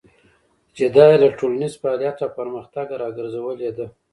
چې دا يې له ټولنيز فعاليت او پرمختګه راګرځولې ده.